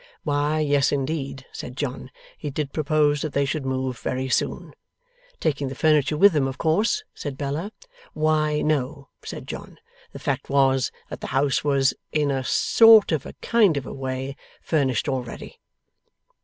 Why yes, indeed (said John), he did propose that they should move very soon. Taking the furniture with them, of course? (said Bella). Why, no (said John), the fact was, that the house was in a sort of a kind of a way furnished already.